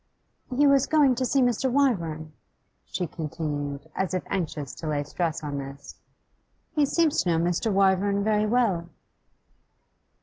'He was going to see Mr. Wyvern,' she continued, as if anxious to lay stress on this. 'He seems to know Mr. Wyvern very well.